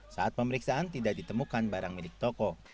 saat pemeriksaan tidak ditemukan barang milik toko